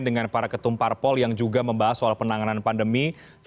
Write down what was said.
dengan para ketumparpol yang juga membahas soal penanganan pandemi